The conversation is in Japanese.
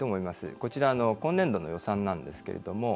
こちら、今年度の予算なんですけれども。